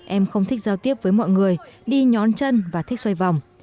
em không thích giao tiếp với mọi người đi nhóm chân và thích xoay vòng